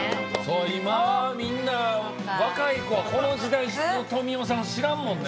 今みんな若い子はこの時代の富美男さん知らんもんね。